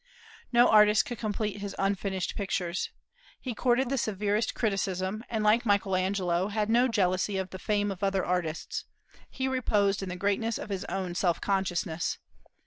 No artists could complete his unfinished pictures. He courted the severest criticism, and, like Michael Angelo, had no jealousy of the fame of other artists; he reposed in the greatness of his own self consciousness.